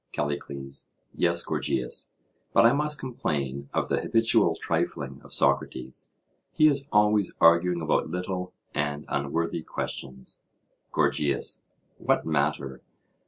CALLICLES: Yes, Gorgias, but I must complain of the habitual trifling of Socrates; he is always arguing about little and unworthy questions. GORGIAS: What matter?